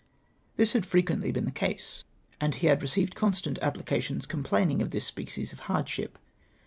" This had frequently been the case ; and he had received 276 TENSIONS. constant applications complaining of this species of hardship.